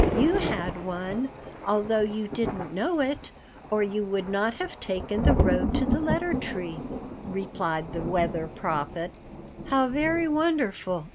You had one, although you didn't know it, or you would not have taken the road to the letter tree," replied the Weather Prophet. "How very wonderful!"